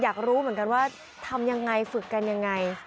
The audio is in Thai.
อยากรู้เหมือนกันว่าทำยังไงฝึกกันยังไง